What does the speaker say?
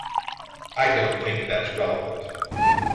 I don't think that's relevant.